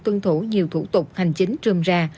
tuân thủ nhiều thủ tục hành chính trường ra